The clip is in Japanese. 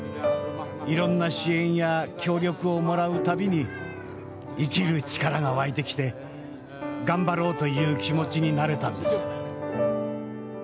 いろんな支援や協力をもらうたびに生きる力が湧いてきて頑張ろうという気持ちになれたんです。